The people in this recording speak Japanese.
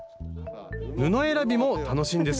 布選びも楽しいんですよね